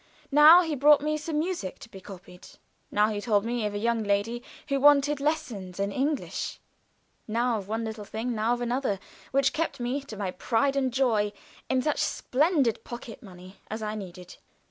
Now he brought me some music to be copied; now he told me of a young lady who wanted lessons in English now of one little thing now of another, which kept me, to my pride and joy, in such slender pocket money as I needed.